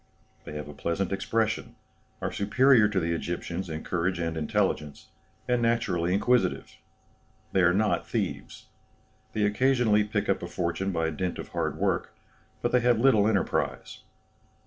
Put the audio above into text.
They have a pleasant expression, are superior to the Egyptians in courage and intelligence, and naturally inquisitive. They are not thieves. They occasionally pick up a fortune by dint of hard work, but they have little enterprise.